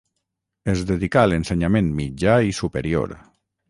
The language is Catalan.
Es dedicà a l'ensenyament mitjà i superior.